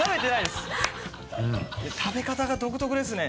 食べ方が独特ですね。